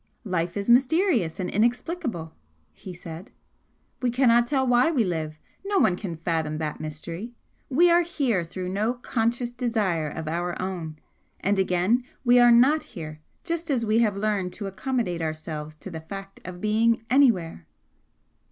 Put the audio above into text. "Life is mysterious and inexplicable," he said "We cannot tell why we live. No one can fathom that mystery. We are Here through no conscious desire of our own, and again we are NOT here just as we have learned to accommodate ourselves to the fact of being Anywhere!"